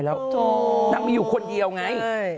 นางมีอยู่คนเดียวไง